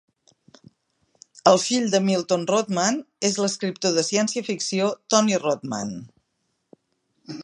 El fil de Milton Rothman és l'escriptor de ciència ficció Tony Rothman.